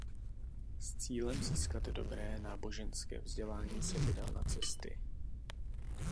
S cílem získat dobré náboženské vzdělání se vydal na cesty.